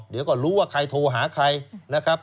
เดี๋ยวก็รู้ว่าใครโทรหาใครนะครับ